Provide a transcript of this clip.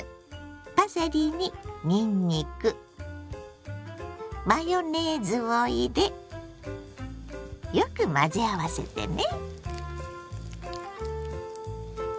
パセリににんにくマヨネーズを入れよく混ぜ合わせてね。